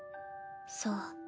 そう。